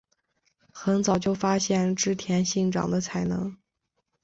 很早就发现织田信长的才能。